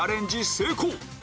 成功